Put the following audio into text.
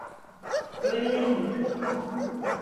Öğrenelim bakalım.